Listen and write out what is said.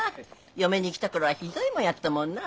嫁に来た頃はひどいもんやったもんなあ。